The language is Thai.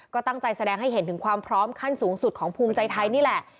ก็ตั้งใจแสดงให้เห็นถึงความพร้อมขั้นสูงสุดของภูมิใจไทยนี่แหละ